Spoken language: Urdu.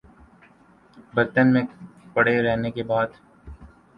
برتن میں پڑے رہنے کے بعد